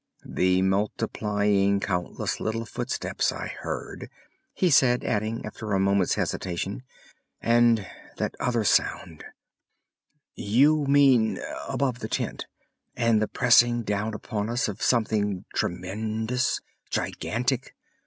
"The multiplying countless little footsteps I heard," he said, adding, after a moment's hesitation, "and that other sound—" "You mean above the tent, and the pressing down upon us of something tremendous, gigantic?"